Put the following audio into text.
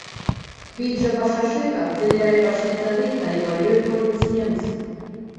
Біць жа па шашы артылерыя пачне тады, калі па ёй пойдуць немцы.